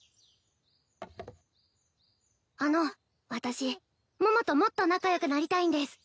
あの私桃ともっと仲良くなりたいんです